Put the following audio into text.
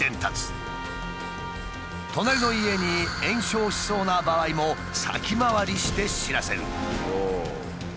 隣の家に延焼しそうな場合も先回りして知らせる。